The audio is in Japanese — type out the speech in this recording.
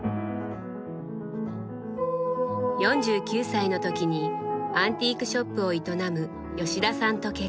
４９歳の時にアンティークショップを営む吉田さんと結婚。